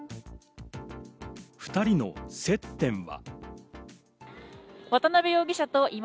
２人の接点は。